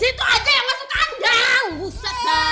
ada aja yang masuk kandang buset